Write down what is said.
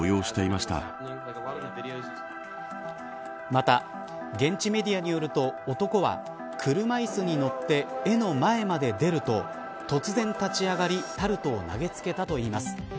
また、現地メディアによると男は、車いすに乗って絵の前まで出ると突然立ち上がりタルトを投げつけたといいます。